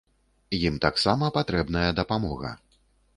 Ім таксама патрэбная дапамога.